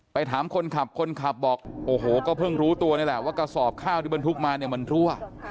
ถามคนขับคนขับบอกโอ้โหก็เพิ่งรู้ตัวนี่แหละว่ากระสอบข้าวที่บรรทุกมาเนี่ยมันรั่ว